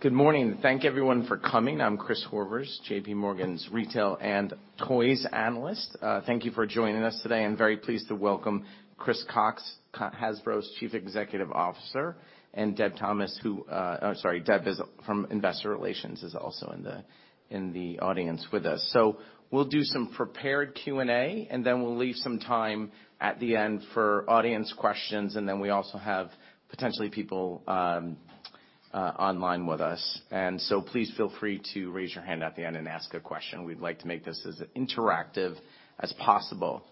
Good morning. Thank everyone for coming. I'm Chris Horvers, JP Morgan's retail and toys analyst. Thank you for joining us today. I'm very pleased to welcome Chris Cocks, Hasbro's Chief Executive Officer, and Deb Thomas, who, or sorry, Deb is from Investor Relations, is also in the audience with us. We'll do some prepared Q&A, and then we'll leave some time at the end for audience questions, and then we also have potentially people online with us. Please feel free to raise your hand at the end and ask a question. We'd like to make this as interactive as possible.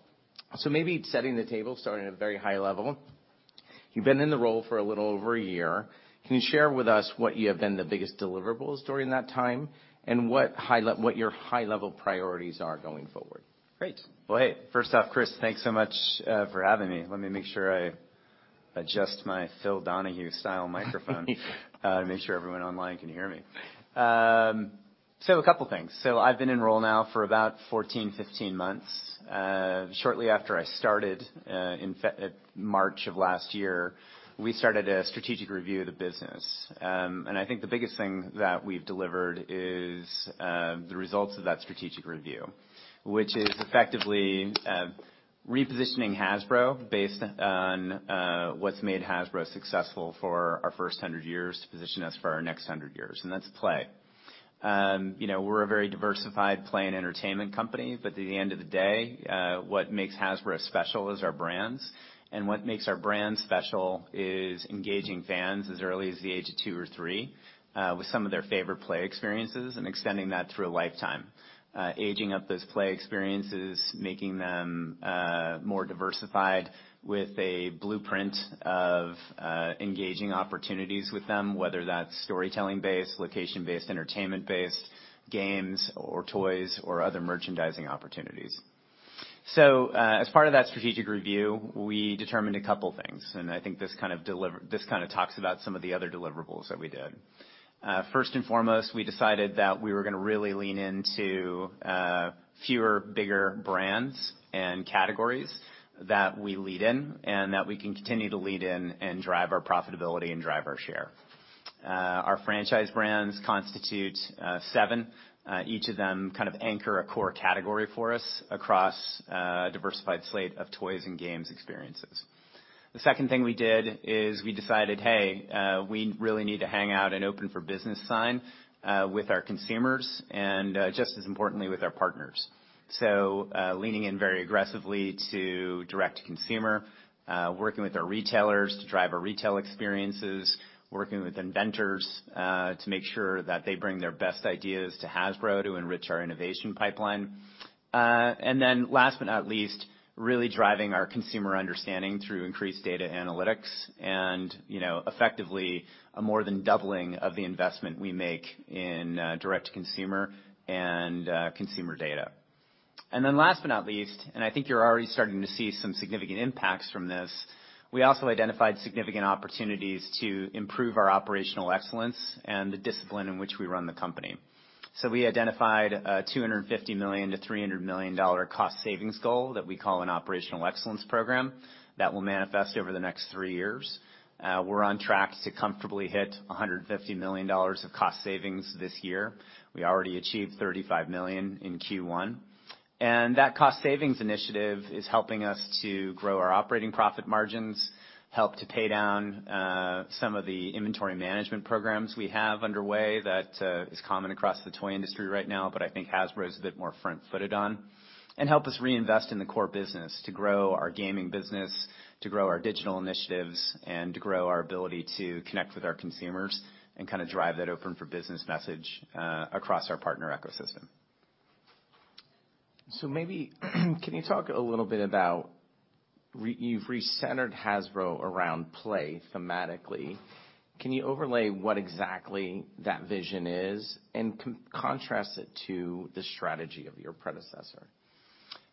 Maybe setting the table, starting at a very high level. You've been in the role for a little over a year. Can you share with us what you have been the biggest deliverables during that time, and what your high level priorities are going forward? Great. Hey, first off, Chris, thanks so much for having me. Let me make sure I adjust my Phil Donahue style microphone to make sure everyone online can hear me. A couple things. I've been in role now for about 14, 15 months. Shortly after I started in March of last year, we started a strategic review of the business. I think the biggest thing that we've delivered is the results of that strategic review, which is effectively repositioning Hasbro based on what's made Hasbro successful for our first 100 years to position us for our next 100 years, and that's play. You know, we're a very diversified play and entertainment company, but at the end of the day, what makes Hasbro special is our brands. What makes our brands special is engaging fans as early as the age of two or three, with some of their favorite play experiences and extending that through a lifetime. Aging up those play experiences, making them, more diversified with a Brand Blueprint of engaging opportunities with them, whether that's storytelling based, location based, entertainment based games or toys or other merchandising opportunities. As part of that strategic review, we determined a couple things, and I think this kinda talks about some of the other deliverables that we did. First and foremost, we decided that we were gonna really lean into fewer, bigger brands and categories that we lead in and that we can continue to lead in and drive our profitability and drive our share. Our franchise brands constitute seven. Each of them kind of anchor a core category for us across a diversified slate of toys and games experiences. The second thing we did is we decided, hey, we really need to hang out an open for business sign with our consumers and, just as importantly, with our partners. Leaning in very aggressively to direct consumer, working with our retailers to drive our retail experiences, working with inventors to make sure that they bring their best ideas to Hasbro to enrich our innovation pipeline. And then last but not least, really driving our consumer understanding through increased data analytics and, you know, effectively a more than doubling of the investment we make in direct consumer and consumer data. Last but not least, I think you're already starting to see some significant impacts from this, we also identified significant opportunities to improve our operational excellence and the discipline in which we run the company. We identified a $250 million-$300 million cost savings goal that we call an operational excellence program that will manifest over the next three years. We're on track to comfortably hit $150 million of cost savings this year. We already achieved $35 million in Q1. That cost savings initiative is helping us to grow our operating profit margins, help to pay down some of the inventory management programs we have underway that is common across the toy industry right now, but I think Hasbro is a bit more front-footed on, and help us reinvest in the core business to grow our gaming business, to grow our digital initiatives, and to grow our ability to connect with our consumers and kinda drive that open for business message across our partner ecosystem. Maybe can you talk a little bit about you've recentered Hasbro around play thematically? Can you overlay what exactly that vision is and contrast it to the strategy of your predecessor?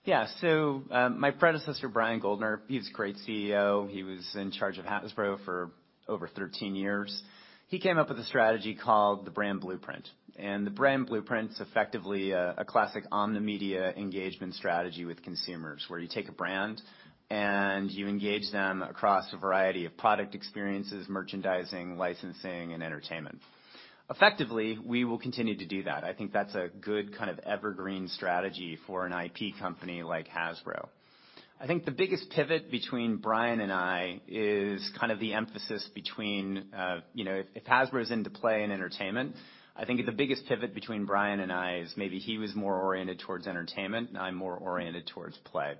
Yeah. My predecessor, Brian Goldner, he's a great CEO. He was in charge of Hasbro for over 13 years. He came up with a strategy called the Brand Blueprint. The Brand Blueprint's effectively a classic omni-media engagement strategy with consumers where you take a brand and you engage them across a variety of product experiences, merchandising, licensing, and entertainment. Effectively, we will continue to do that. I think that's a good kind of evergreen strategy for an IP company like Hasbro. I think the biggest pivot between Brian and I is kind of the emphasis between, you know, if Hasbro is into play and entertainment, I think the biggest pivot between Brian and I is maybe he was more oriented towards entertainment, and I'm more oriented towards play.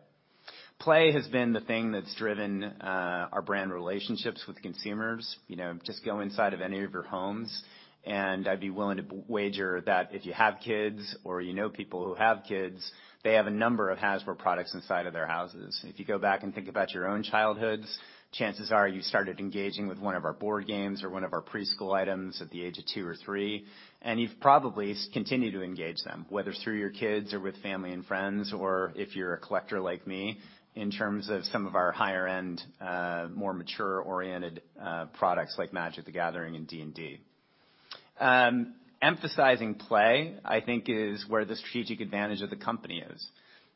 Play has been the thing that's driven our brand relationships with consumers. You know, just go inside of any of your homes, I'd be willing to wager that if you have kids or you know people who have kids, they have a number of Hasbro products inside of their houses. If you go back and think about your own childhoods, chances are you started engaging with one of our board games or one of our preschool items at the age of two or three, you've probably continued to engage them, whether it's through your kids or with family and friends, or if you're a collector like me, in terms of some of our higher-end, more mature-oriented, products like Magic: The Gathering and D&D. Emphasizing play, I think is where the strategic advantage of the company is.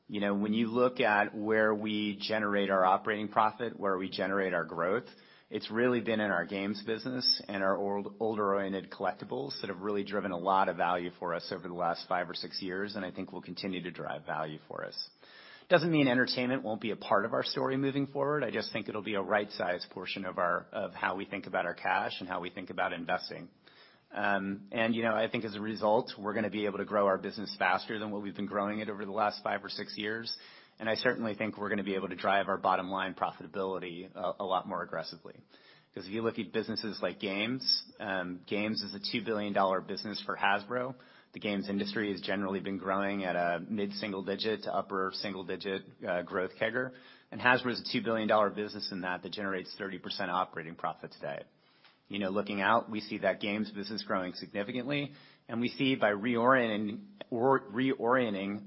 You know, when you look at where we generate our operating profit, where we generate our growth, it's really been in our games business and our older oriented collectibles that have really driven a lot of value for us over the last five or six years, and I think will continue to drive value for us. Doesn't mean entertainment won't be a part of our story moving forward, I just think it'll be a right size portion of our, of how we think about our cash and how we think about investing. You know, I think as a result, we're gonna be able to grow our business faster than what we've been growing it over the last five or six years. I certainly think we're gonna be able to drive our bottom line profitability a lot more aggressively. 'Cause if you look at businesses like games is a $2 billion business for Hasbro. The games industry has generally been growing at a mid-single digit to upper-single digit growth CAGR. Hasbro is a $2 billion business in that that generates 30% operating profit today. You know, looking out, we see that games business growing significantly, and we see by reorienting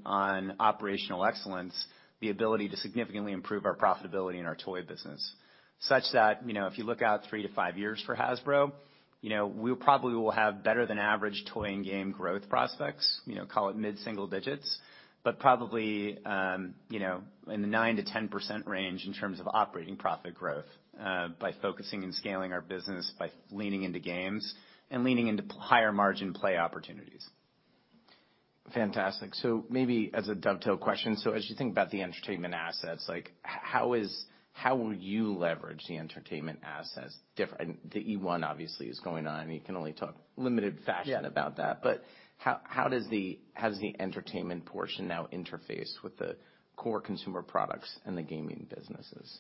on operational excellence, the ability to significantly improve our profitability in our toy business. Such that, you know, if you look out three to five years for Hasbro, you know, we probably will have better than average toy and game growth prospects, you know, call it mid-single digits, but probably, you know, in the 9%-10% range in terms of operating profit growth, by focusing and scaling our business, by leaning into games and leaning into higher margin play opportunities. Fantastic. Maybe as a dovetail question, so as you think about the entertainment assets, like how will you leverage the entertainment assets different? The eOne obviously is going on, you can only talk limited fashion... Yeah About that. How does the entertainment portion now interface with the core consumer products and the gaming businesses?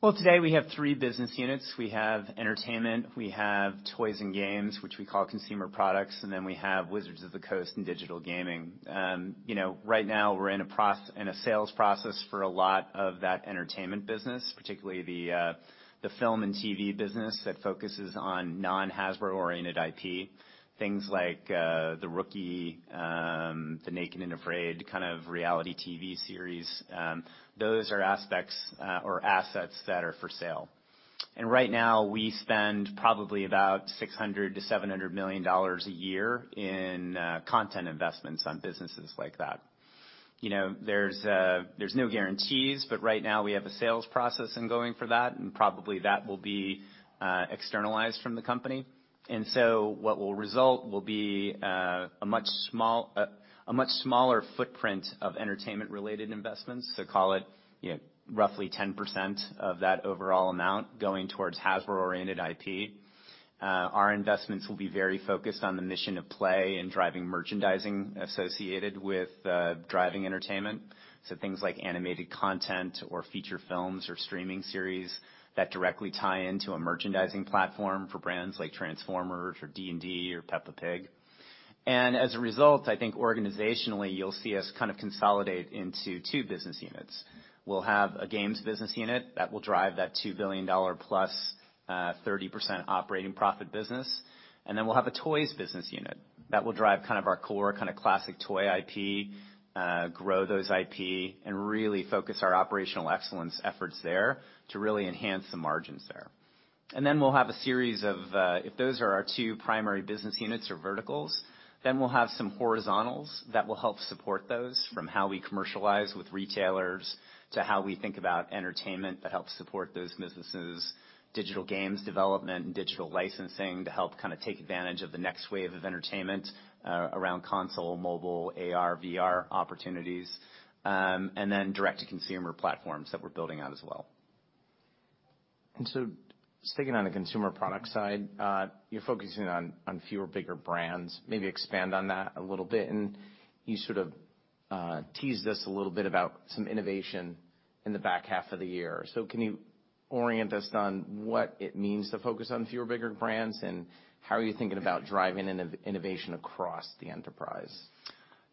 Well, today we have three business units. We have entertainment, we have toys and games, which we call consumer products, and then we have Wizards of the Coast and digital gaming. You know, right now we're in a sales process for a lot of that entertainment business, particularly the film and TV business that focuses on non-Hasbro oriented IP. Things like The Rookie, the Naked and Afraid kind of reality TV series, those are aspects or assets that are for sale. Right now we spend probably about $600 million-$700 million a year in content investments on businesses like that. You know, there's no guarantees, but right now we have a sales process in going for that, and probably that will be externalized from the company. What will result will be a much smaller footprint of entertainment related investments. Call it, you know, roughly 10% of that overall amount going towards Hasbro-oriented IP. Our investments will be very focused on the mission of play and driving merchandising associated with driving entertainment. So things like animated content or feature films or streaming series that directly tie into a merchandising platform for brands like Transformers or D&D or Peppa Pig. I think organizationally, you'll see us kind of consolidate into two business units. We'll have a games business unit that will drive that $2 billion +30% operating profit business, and then we'll have a toys business unit that will drive kind of our core kind of classic toy IP, grow those IP and really focus our operational excellence efforts there to really enhance the margins there. We'll have a series of, if those are our two primary business units or verticals, then we'll have some horizontals that will help support those from how we commercialize with retailers to how we think about entertainment that helps support those businesses, digital games development and digital licensing to help kind of take advantage of the next wave of entertainment, around console, mobile, AR, VR opportunities, and then direct to consumer platforms that we're building out as well. Sticking on the consumer product side, you're focusing on fewer, bigger brands. Maybe expand on that a little bit. You sort of teased us a little bit about some innovation in the back half of the year. Can you orient us on what it means to focus on fewer, bigger brands, and how are you thinking about driving innovation across the enterprise?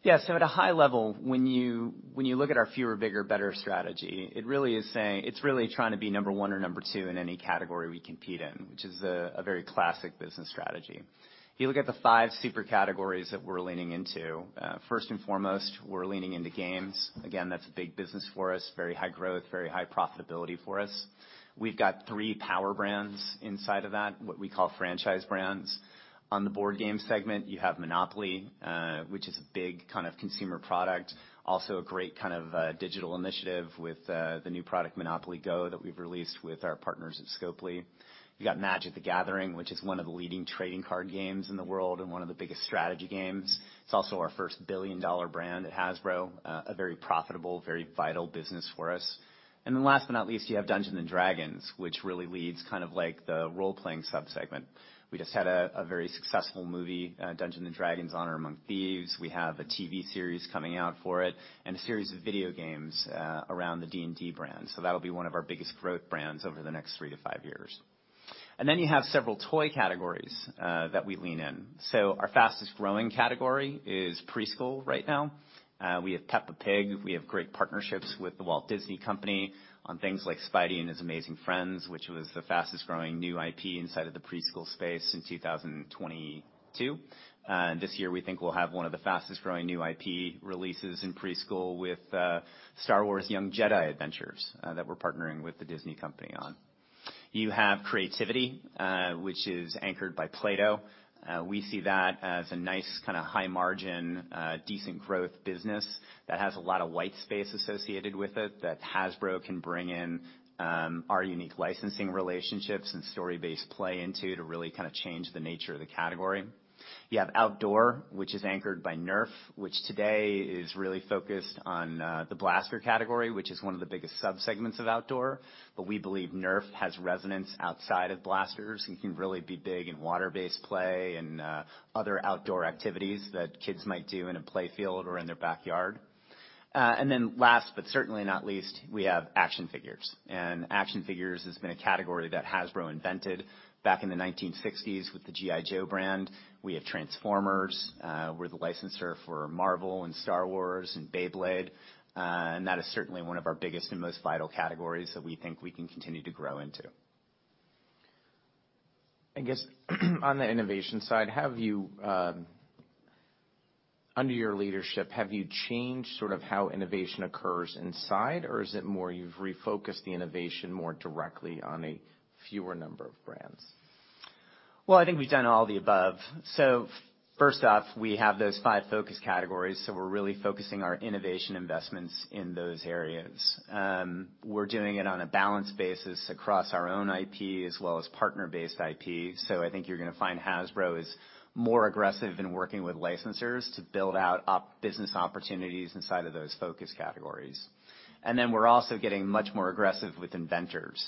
At a high level, when you look at our fewer, bigger, better strategy, it really is saying, it's really trying to be number one or number two in any category we compete in, which is a very classic business strategy. If you look at the five super categories that we're leaning into, first and foremost, we're leaning into games. Again, that's a big business for us, very high growth, very high profitability for us. We've got three power brands inside of that, what we call franchise brands. On the board game segment, you have Monopoly, which is a big kind of consumer product, also a great kind of digital initiative with the new product, MONOPOLY GO!, that we've released with our partners at Scopely. You got Magic: The Gathering, which is one of the leading trading card games in the world and one of the biggest strategy games. It's also our first billion-dollar brand at Hasbro. A very profitable, very vital business for us. Last but not least, you have Dungeons & Dragons, which really leads kind of like the role-playing sub-segment. We just had a very successful movie, Dungeons & Dragons: Honor Among Thieves. We have a TV series coming out for it and a series of video games, around the D&D brand. That'll be one of our biggest growth brands over the next three to five years. You have several toy categories, that we lean in. Our fastest growing category is preschool right now. We have Peppa Pig, we have great partnerships with The Walt Disney Company on things like Spidey and His Amazing Friends, which was the fastest growing new IP inside of the preschool space since 2022. This year, we think we'll have one of the fastest growing new IP releases in preschool with Star Wars: Young Jedi Adventures, that we're partnering with The Disney Company on. You have creativity, which is anchored by Play-Doh. We see that as a nice kind of high-margin, decent growth business that has a lot of white space associated with it that Hasbro can bring in, our unique licensing relationships and story-based play into to really kind of change the nature of the category. You have outdoor, which is anchored by Nerf, which today is really focused on the blaster category, which is one of the biggest sub-segments of outdoor. We believe Nerf has resonance outside of blasters and can really be big in water-based play and other outdoor activities that kids might do in a play field or in their backyard. Last, but certainly not least, we have action figures. Action figures has been a category that Hasbro invented back in the 1960s with the G.I. Joe brand. We have Transformers, we're the licensor for Marvel and Star Wars and Beyblade. That is certainly one of our biggest and most vital categories that we think we can continue to grow into. I guess on the innovation side, have you, under your leadership, have you changed sort of how innovation occurs inside? Is it more you've refocused the innovation more directly on a fewer number of brands? Well, I think we've done all of the above. First off, we have those five focus categories, so we're really focusing our innovation investments in those areas. We're doing it on a balanced basis across our own IP as well as partner-based IP. I think you're going to find Hasbro is more aggressive in working with licensors to build out business opportunities inside of those focus categories. We're also getting much more aggressive with inventors.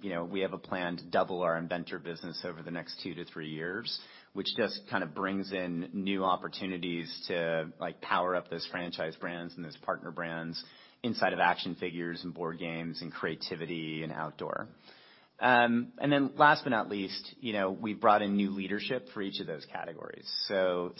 You know, we have a plan to double our inventor business over the next two to three years, which just kind of brings in new opportunities to, like, power up those franchise brands and those partner brands inside of action figures and board games and creativity and outdoor. Last but not least, you know, we've brought in new leadership for each of those categories.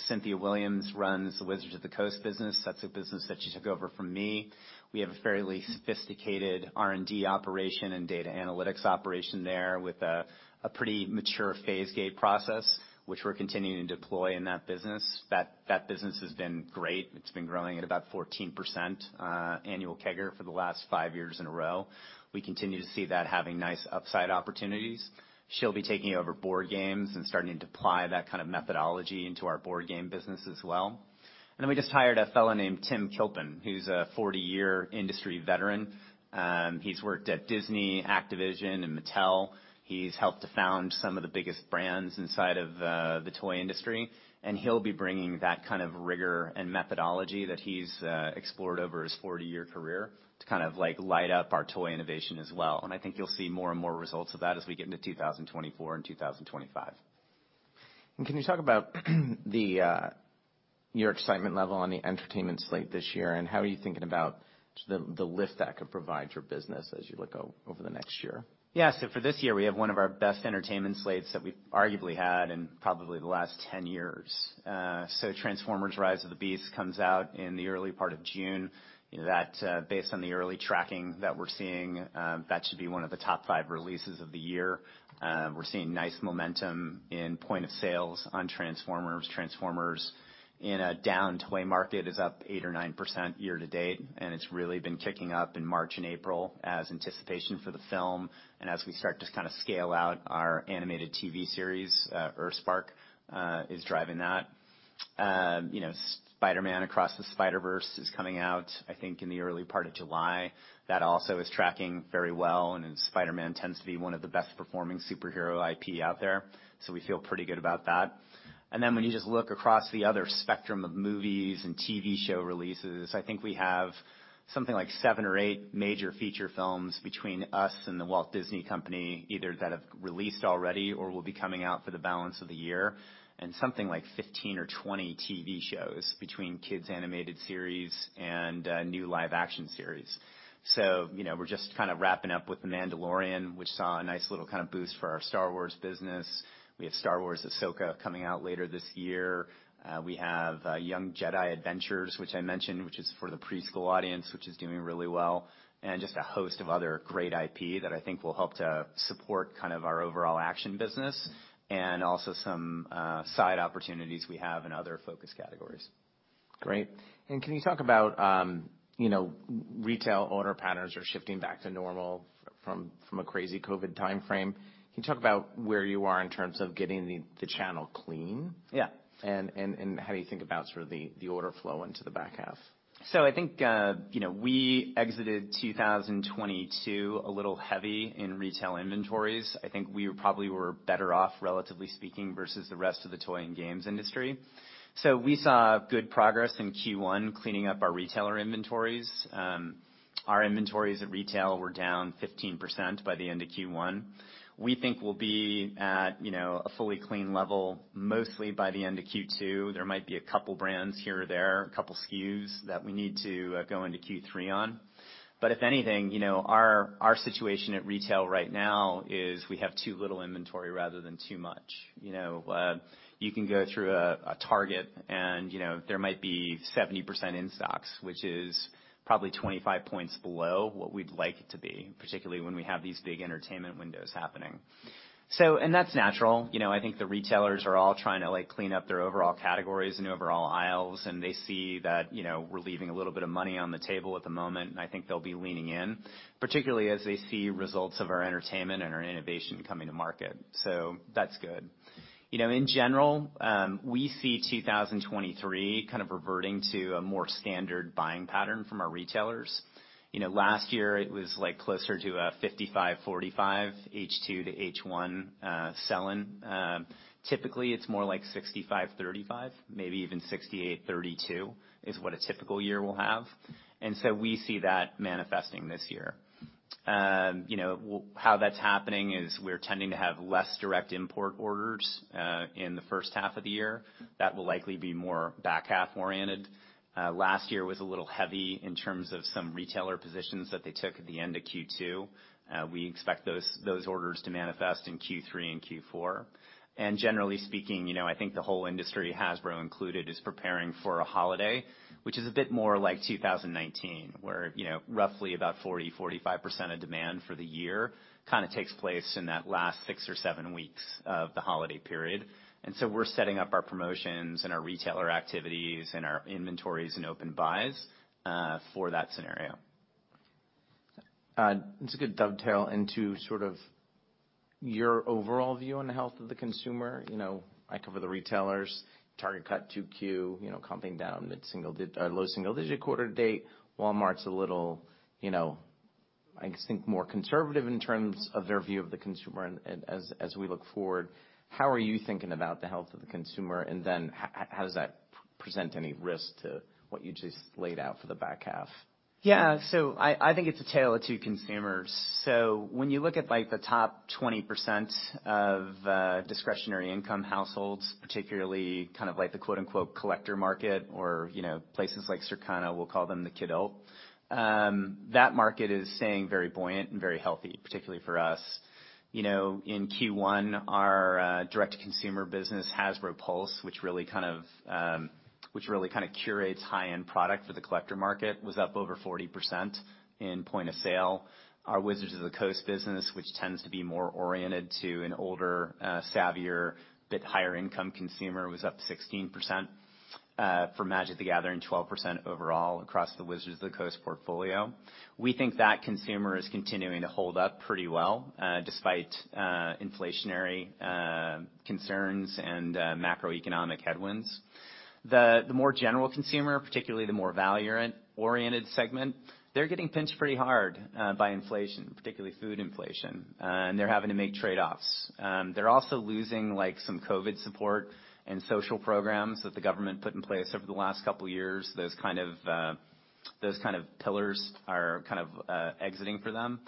Cynthia Williams runs the Wizards of the Coast business. That's a business that she took over from me. We have a fairly sophisticated R&D operation and data analytics operation there with a pretty mature phase gate process, which we're continuing to deploy in that business. That business has been great. It's been growing at about 14% annual CAGR for the last five years in a row. We continue to see that having nice upside opportunities. She'll be taking over board games and starting to apply that kind of methodology into our board game business as well. We just hired a fella named Tim Kilpin, who's a 40-year industry veteran. He's worked at Disney, Activision, and Mattel. He's helped to found some of the biggest brands inside of the toy industry. He'll be bringing that kind of rigor and methodology that he's explored over his 40-year career to kind of, like, light up our toy innovation as well. I think you'll see more and more results of that as we get into 2024 and 2025. Can you talk about the your excitement level on the entertainment slate this year, and how are you thinking about the lift that could provide your business as you look over the next year? Yeah. For this year, we have one of our best entertainment slates that we've arguably had in probably the last 10 years. Transformers: Rise of the Beasts comes out in the early part of June. That, based on the early tracking that we're seeing, that should be one of the top five releases of the year. We're seeing nice momentum in point of sales on Transformers. Transformers in a down toy market is up 8% or 9% year-to-date, and it's really been kicking up in March and April as anticipation for the film and as we start to kind of scale out our animated TV series, Transformers: EarthSpark, is driving that. You know, Spider-Man: Across the Spider-Verse is coming out, I think, in the early part of July. That also is tracking very well. Spider-Man tends to be one of the best-performing superhero IP out there. We feel pretty good about that. When you just look across the other spectrum of movies and TV show releases, I think we have something like seven or eight major feature films between us and The Walt Disney Company, either that have released already or will be coming out for the balance of the year. Something like 15 or 20 TV shows between kids' animated series and new live-action series. You know, we're just kind of wrapping up with The Mandalorian, which saw a nice little kind of boost for our Star Wars business. We have Star Wars: Ahsoka coming out later this year. We have Young Jedi Adventures, which I mentioned, which is for the preschool audience, which is doing really well. Just a host of other great IP that I think will help to support kind of our overall action business and also some side opportunities we have in other focus categories. Great. Can you talk about, you know, retail order patterns are shifting back to normal from a crazy Covid timeframe. Can you talk about where you are in terms of getting the channel clean? Yeah. How do you think about sort of the order flow into the back half? I think, you know, we exited 2022 a little heavy in retail inventories. I think we probably were better off, relatively speaking, versus the rest of the toy and games industry. We saw good progress in Q1, cleaning up our retailer inventories. Our inventories at retail were down 15% by the end of Q1. We think we'll be at, you know, a fully clean level mostly by the end of Q2. There might be a couple brands here or there, a couple SKUs that we need to go into Q3 on. If anything, you know, our situation at retail right now is we have too little inventory rather than too much. You know, you can go through a Target and, you know, there might be 70% in stocks, which is probably 25 points below what we'd like it to be, particularly when we have these big entertainment windows happening. That's natural. You know, I think the retailers are all trying to, like, clean up their overall categories and overall aisles, they see that, you know, we're leaving a little bit of money on the table at the moment, I think they'll be leaning in, particularly as they see results of our entertainment and our innovation coming to market. That's good. You know, in general, we see 2023 kind of reverting to a more standard buying pattern from our retailers. You know, last year it was, like, closer to a 55/45 H2 to H1 sell-in. Typically it's more like 65/35, maybe even 68/32 is what a typical year will have. We see that manifesting this year. You know, how that's happening is we're tending to have less direct import orders in the first half of the year that will likely be more back-half oriented. Last year was a little heavy in terms of some retailer positions that they took at the end of Q2. We expect those orders to manifest in Q3 and Q4. Generally speaking, you know, I think the whole industry, Hasbro included, is preparing for a holiday, which is a bit more like 2019, where, you know, roughly about 40%-45% of demand for the year kind of takes place in that last six or seven weeks of the holiday period. We're setting up our promotions and our retailer activities and our inventories and open buys, for that scenario. Just to dovetail into sort of your overall view on the health of the consumer. You know, I cover the retailers. Target cut 2Q, you know, comping down mid-single or low single digit quarter-to-date. Walmart's a little, you know, I think more conservative in terms of their view of the consumer. As we look forward, how are you thinking about the health of the consumer, and then how does that present any risk to what you just laid out for the back half? Yeah. I think it's a tale of two consumers. When you look at, like, the top 20% of discretionary income households, particularly kind of like the quote-unquote, collector market or, you know, places like Circana will call them the kidult, that market is staying very buoyant and very healthy, particularly for us. You know, in Q1, our direct-to-consumer business, Hasbro Pulse, which really kind of curates high-end product for the collector market, was up over 40% in point of sale. Our Wizards of the Coast business, which tends to be more oriented to an older, savvier, bit higher income consumer, was up 16% for Magic: The Gathering, 12% overall across the Wizards of the Coast portfolio. We think that consumer is continuing to hold up pretty well, despite inflationary concerns and macroeconomic headwinds. The more general consumer, particularly the more value-oriented segment, they're getting pinched pretty hard by inflation, particularly food inflation, and they're having to make trade-offs. They're also losing, like, some COVID support and social programs that the government put in place over the last couple years. Those kind of pillars are kind of exiting for them.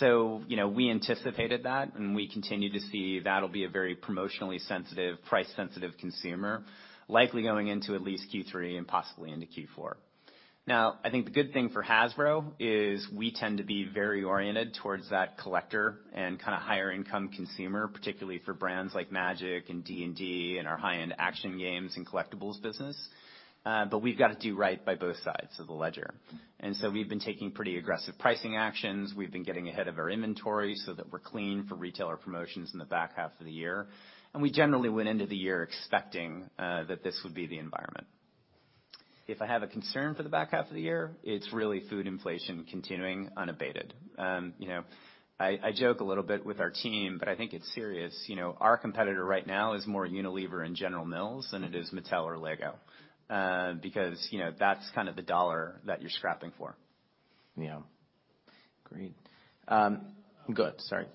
You know, we anticipated that, and we continue to see that'll be a very promotionally sensitive, price-sensitive consumer, likely going into at least Q3 and possibly into Q4. I think the good thing for Hasbro is we tend to be very oriented towards that collector and kind of higher income consumer, particularly for brands like Magic and D&D and our high-end action games and collectibles business. We've got to do right by both sides of the ledger. We've been taking pretty aggressive pricing actions. We've been getting ahead of our inventory so that we're clean for retailer promotions in the back half of the year. We generally went into the year expecting that this would be the environment. If I have a concern for the back half of the year, it's really food inflation continuing unabated. You know, I joke a little bit with our team, but I think it's serious. You know, our competitor right now is more Unilever and General Mills than it is Mattel or LEGO, because, you know, that's kind of the dollar that you're scrapping for. Yeah. Great. Go ahead. Sorry. Sorry.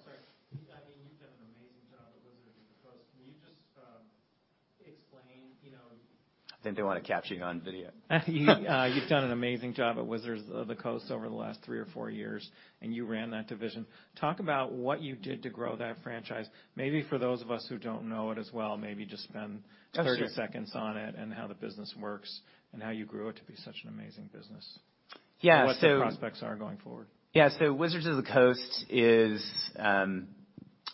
I mean, you've done an amazing job at Wizards of the Coast. Can you just explain, you know? I think they want to capture you on video. You've done an amazing job at Wizards of the Coast over the last three or four years, and you ran that division. Talk about what you did to grow that franchise. Maybe for those of us who don't know it as well, maybe just spend 30 seconds on it and how the business works and how you grew it to be such an amazing business. Yeah. What the prospects are going forward. Wizards of the Coast is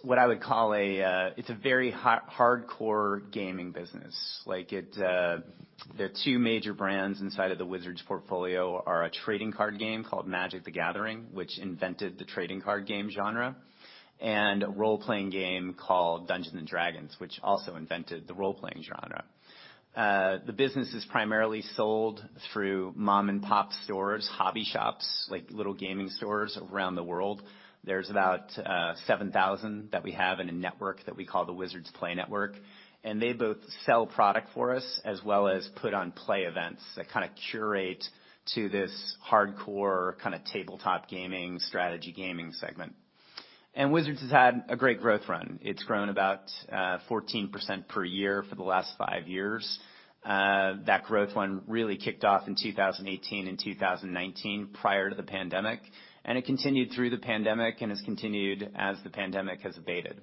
what I would call a very hardcore gaming business. Like, it, the two major brands inside of the Wizards portfolio are a trading card game called Magic: The Gathering, which invented the trading card game genre, and a role-playing game called Dungeons & Dragons, which also invented the role-playing genre. The business is primarily sold through mom-and-pop stores, hobby shops, like little gaming stores around the world. There's about 7,000 that we have in a network that we call the Wizards Play Network. They both sell product for us as well as put on play events that kind of curate to this hardcore kind of tabletop gaming, strategy gaming segment. Wizards has had a great growth run. It's grown about 14% per year for the last five years. That growth run really kicked off in 2018 and 2019, prior to the pandemic, and it continued through the pandemic and has continued as the pandemic has abated.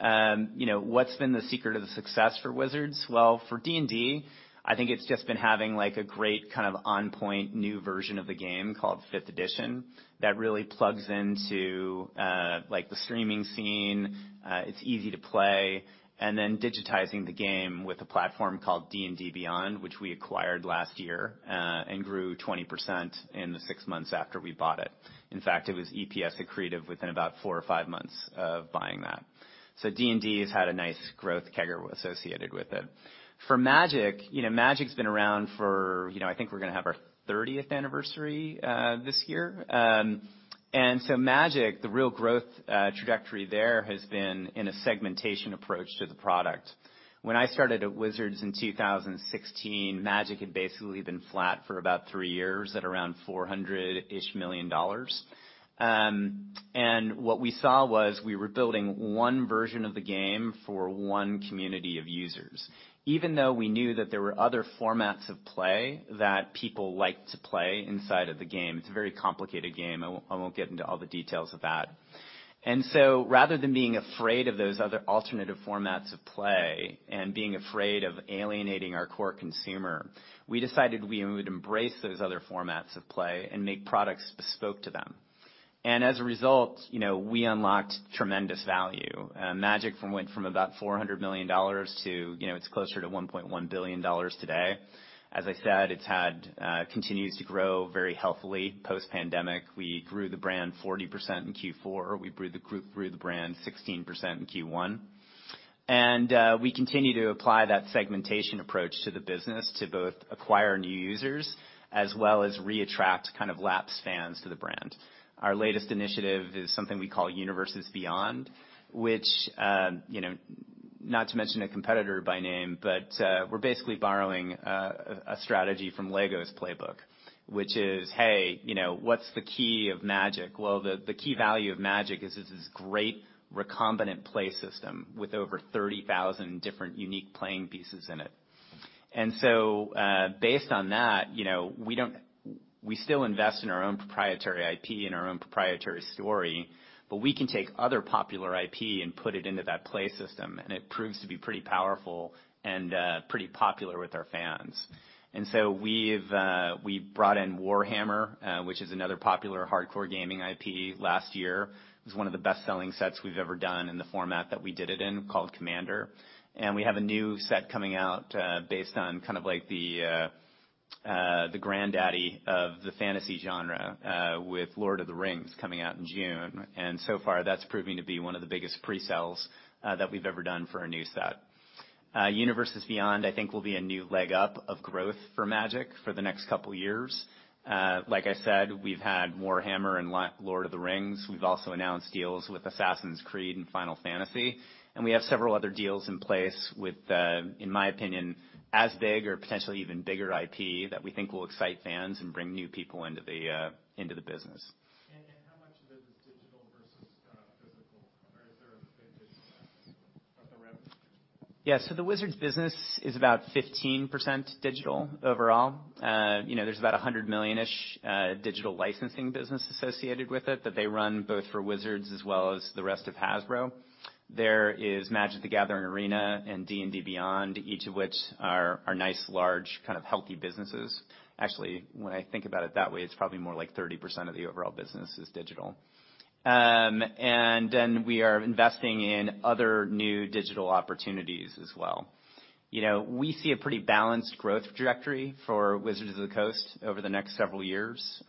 You know, what's been the secret of the success for Wizards? Well, for D&D, I think it's just been having, like, a great kind of on point new version of the game called Fifth Edition that really plugs into, like, the streaming scene. It's easy to play. Then digitizing the game with a platform called D&D Beyond, which we acquired last year, and grew 20% in the six months after we bought it. In fact, it was EPS accretive within about four or five months of buying that. D&D has had a nice growth CAGR associated with it. For Magic, you know, Magic's been around for, you know, I think we're gonna have our 30th anniversary this year. Magic, the real growth trajectory there has been in a segmentation approach to the product. When I started at Wizards in 2016, Magic had basically been flat for about three years at around $400-ish million. What we saw was we were building one version of the game for one community of users, even though we knew that there were other formats of play that people liked to play inside of the game. It's a very complicated game. I won't get into all the details of that. Rather than being afraid of those other alternative formats of play and being afraid of alienating our core consumer, we decided we would embrace those other formats of play and make products bespoke to them. As a result, you know, we unlocked tremendous value. Magic went from about $400 million to, you know, it's closer to $1.1 billion today. As I said, it's had, continues to grow very healthily post-pandemic. We grew the brand 40% in Q4. We grew the brand 16% in Q1. We continue to apply that segmentation approach to the business to both acquire new users as well as re-attract kind of lapsed fans to the brand. Our latest initiative is something we call Universes Beyond, which, you know, not to mention a competitor by name, but we're basically borrowing a strategy from LEGO's playbook, which is, hey, you know, what's the key of Magic? Well, the key value of Magic is this great recombinant play system with over 30,000 different unique playing pieces in it. Based on that, you know, we still invest in our own proprietary IP and our own proprietary story, but we can take other popular IP and put it into that play system, and it proves to be pretty powerful and pretty popular with our fans. We've brought in Warhammer, which is another popular hardcore gaming IP, last year. It was one of the best-selling sets we've ever done in the format that we did it in, called Commander. We have a new set coming out, based on kind of like the granddaddy of the fantasy genre, with Lord of the Rings coming out in June. So far, that's proving to be one of the biggest pre-sales that we've ever done for a new set. Universes Beyond, I think will be a new leg up of growth for Magic for the next couple years. Like I said, we've had Warhammer and Lord of the Rings. We've also announced deals with Assassin's Creed and Final Fantasy, and we have several other deals in place with, in my opinion, as big or potentially even bigger IP that we think will excite fans and bring new people into the business. How much of it is digital versus physical? Or is there a big digital aspect of the revenue? Yeah. The Wizards business is about 15% digital overall. You know, there's about a $100 million-ish digital licensing business associated with it that they run both for Wizards as well as the rest of Hasbro. There is Magic: The Gathering Arena and D&D Beyond, each of which are nice large, kind of healthy businesses. Actually, when I think about it that way, it's probably more like 30% of the overall business is digital. Then we are investing in other new digital opportunities as well. You know, we see a pretty balanced growth trajectory for Wizards of the Coast over the next several years.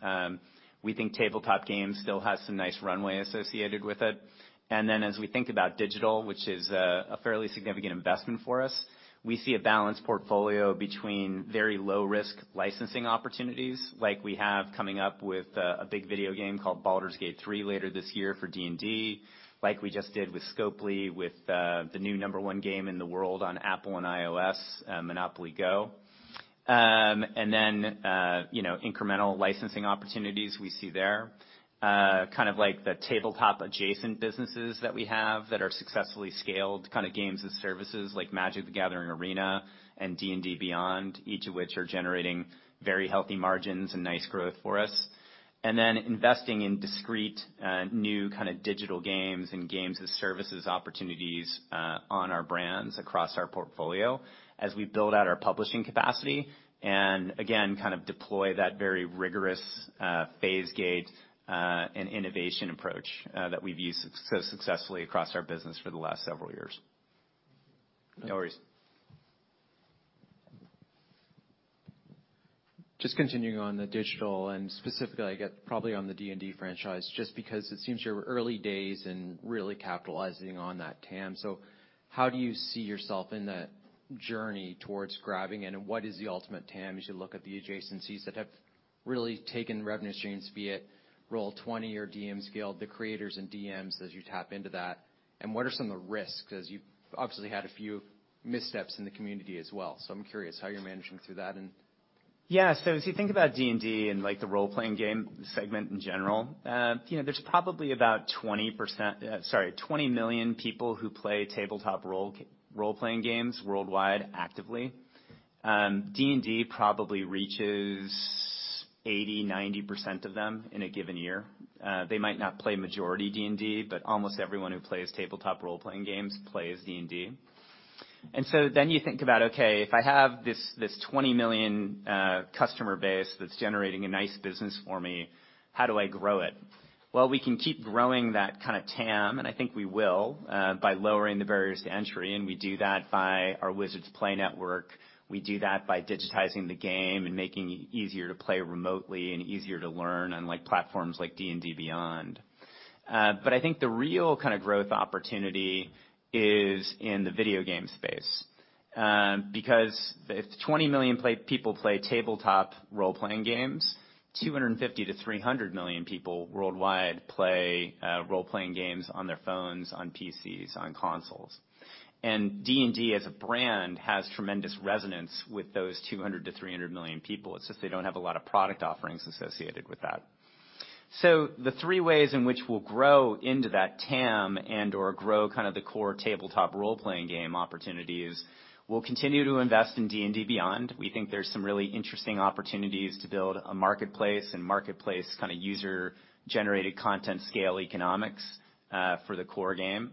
We think tabletop games still has some nice runway associated with it. As we think about digital, which is a fairly significant investment for us, we see a balanced portfolio between very low risk licensing opportunities like we have coming up with a big video game called Baldur's Gate 3 later this year for D&D, like we just did with Scopely with the new number one game in the world on Apple and iOS, MONOPOLY GO!. You know, incremental licensing opportunities we see there. Kind of like the tabletop adjacent businesses that we have that are successfully scaled kind of games as services like Magic: The Gathering Arena and D&D Beyond, each of which are generating very healthy margins and nice growth for us. Investing in discrete, new kind of digital games and games as services opportunities, on our brands across our portfolio as we build out our publishing capacity, and again, kind of deploy that very rigorous, phase gate, and innovation approach, that we've used successfully across our business for the last several years. No worries. Just continuing on the digital and specifically, I guess, probably on the D&D franchise, just because it seems you're early days in really capitalizing on that TAM. How do you see yourself in that journey towards grabbing it, and what is the ultimate TAM as you look at the adjacencies that have really taken revenue streams, be it Roll20 or DMs Guild, the creators and DMs as you tap into that, and what are some of the risks? Because you've obviously had a few missteps in the community as well. I'm curious how you're managing through that and. Yeah. As you think about D&D and, like, the role-playing game segment in general, you know, there's probably about 20%, sorry, 20 million people who play tabletop role-playing games worldwide actively. D&D probably reaches 80%, 90% of them in a given year. They might not play majority D&D, but almost everyone who plays tabletop role-playing games plays D&D. Then you think about, okay, if I have this 20 million customer base that's generating a nice business for me, how do I grow it? Well, we can keep growing that kind of TAM, and I think we will, by lowering the barriers to entry, and we do that by our Wizards Play Network. We do that by digitizing the game and making it easier to play remotely and easier to learn on like platforms like D&D Beyond. I think the real kind of growth opportunity is in the video game space, because if 20 million people play tabletop role-playing games, 250 million-300 million people worldwide play role-playing games on their phones, on PCs, on consoles. D&D as a brand has tremendous resonance with those 200 million-300 million people. It's just they don't have a lot of product offerings associated with that. The three ways in which we'll grow into that TAM and/or grow kind of the core tabletop role-playing game opportunities, we'll continue to invest in D&D Beyond. We think there's some really interesting opportunities to build a marketplace and marketplace kind of user-generated content scale economics for the core game.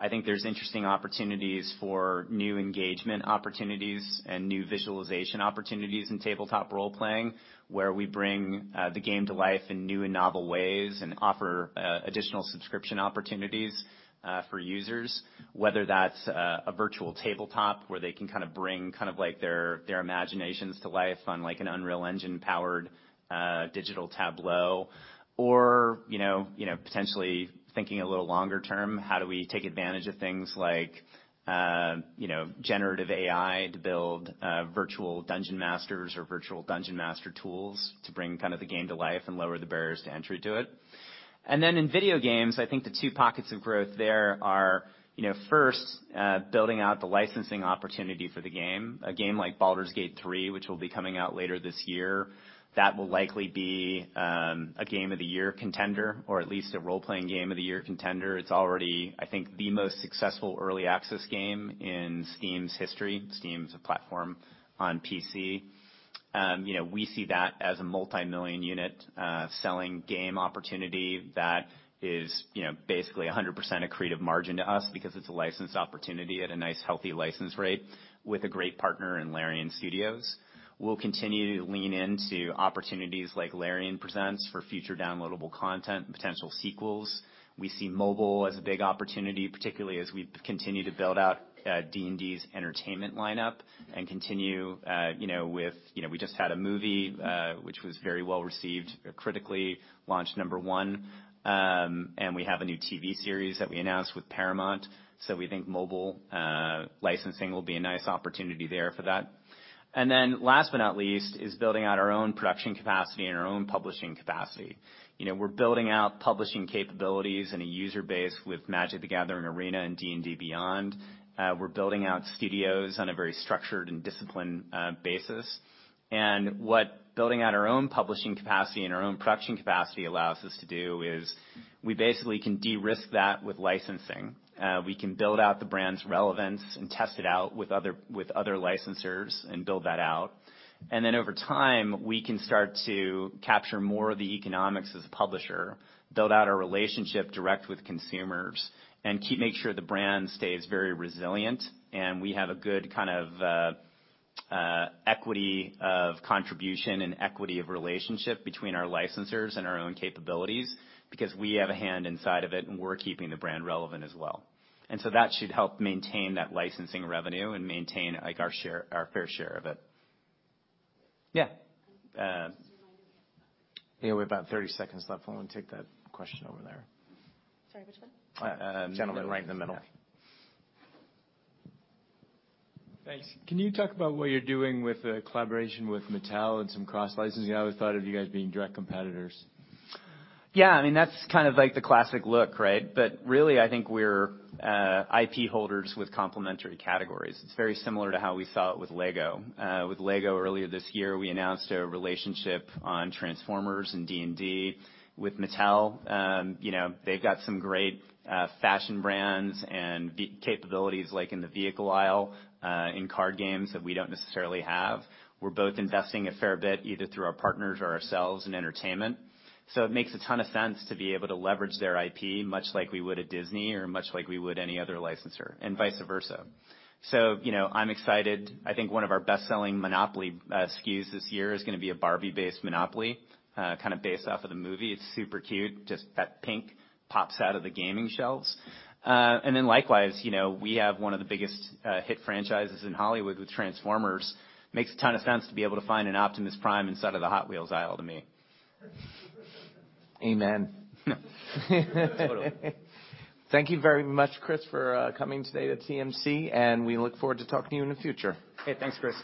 I think there's interesting opportunities for new engagement opportunities and new visualization opportunities in tabletop role-playing, where we bring the game to life in new and novel ways and offer additional subscription opportunities for users, whether that's a virtual tabletop where they can kind of bring like their imaginations to life on like an Unreal Engine-powered digital tableau. Or, you know, potentially thinking a little longer term, how do we take advantage of things like, you know, generative AI to build virtual dungeon masters or virtual dungeon master tools to bring kind of the game to life and lower the barriers to entry to it. Then in video games, I think the two pockets of growth there are, you know, first, building out the licensing opportunity for the game. A game like Baldur's Gate 3, which will be coming out later this year, that will likely be a game of the year contender, or at least a role-playing game of the year contender. It's already, I think, the most successful early access game in Steam's history. Steam's a platform on PC. You know, we see that as a multi-million unit selling game opportunity that is, you know, basically 100% accretive margin to us because it's a licensed opportunity at a nice healthy license rate with a great partner in Larian Studios. We'll continue to lean into opportunities like Larian Studios for future downloadable content and potential sequels. We see mobile as a big opportunity, particularly as we continue to build out D&D's entertainment lineup and continue, you know, with... You know, we just had a movie, which was very well-received critically, launched number one. We have a new TV series that we announced with Paramount, so we think mobile, licensing will be a nice opportunity there for that. Last but not least is building out our own production capacity and our own publishing capacity. You know, we're building out publishing capabilities and a user base with Magic: The Gathering Arena and D&D Beyond. We're building out studios on a very structured and disciplined basis. What building out our own publishing capacity and our own production capacity allows us to do is we basically can de-risk that with licensing. We can build out the brand's relevance and test it out with other licensors and build that out. Over time, we can start to capture more of the economics as a publisher, build out our relationship direct with consumers, make sure the brand stays very resilient. We have a good kind of equity of contribution and equity of relationship between our licensors and our own capabilities, because we have a hand inside of it, and we're keeping the brand relevant as well. That should help maintain that licensing revenue and maintain like our fair share of it. Yeah. Yeah, we have about 30 seconds left. Why don't we take that question over there? Sorry, which one? Gentleman right in the middle. Yeah. Thanks. Can you talk about what you're doing with the collaboration with Mattel and some cross-licensing? I always thought of you guys being direct competitors. Yeah. I mean, that's kind of like the classic look, right? Really, I think we're IP holders with complementary categories. It's very similar to how we saw it with LEGO. With LEGO earlier this year, we announced a relationship on Transformers and D&D. With Mattel, you know, they've got some great fashion brands and capabilities like in the vehicle aisle, in card games that we don't necessarily have. We're both investing a fair bit, either through our partners or ourselves in entertainment. It makes a ton of sense to be able to leverage their IP, much like we would at Disney or much like we would any other licensor, and vice versa. You know, I'm excited. I think one of our best-selling Monopoly SKUs this year is gonna be a Barbie-based Monopoly, kind of based off of the movie. It's super cute. Just that pink pops out of the gaming shelves. Then likewise, you know, we have one of the biggest hit franchises in Hollywood with Transformers. Makes a ton of sense to be able to find an Optimus Prime inside of the Hot Wheels aisle to me. Amen. Totally. Thank you very much, Chris, for coming today to TMC. We look forward to talking to you in the future. Okay. Thanks, Chris.